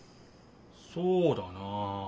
そうだなあ。